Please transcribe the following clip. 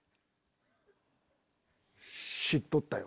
知っとったよ。